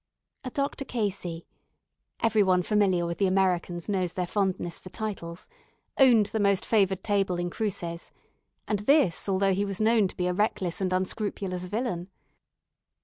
A Dr. Casey everybody familiar with the Americans knows their fondness for titles owned the most favoured table in Cruces; and this, although he was known to be a reckless and unscrupulous villain.